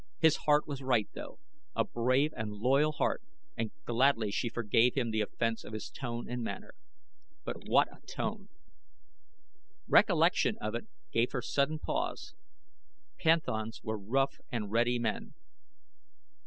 His heart was right, though; a brave and loyal heart, and gladly she forgave him the offense of his tone and manner. But what a tone! Recollection of it gave her sudden pause. Panthans were rough and ready men.